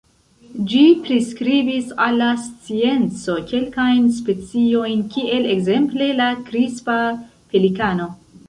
Ĝi priskribis al la scienco kelkajn speciojn kiel ekzemple la Krispa pelikano.